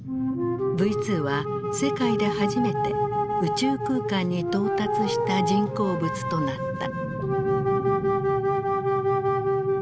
Ｖ２は世界で初めて宇宙空間に到達した人工物となった。